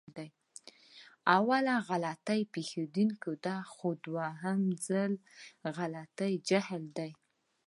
اوله غلطي پېښدونکې ده، خو دوهم ځل غلطي جهل دی.